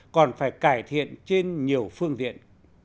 còn phải cải thiện trên nhiều phương diện